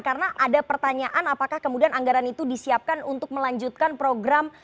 karena ada pertanyaan apakah kemudian anggaran itu disiapkan untuk melanjutkan program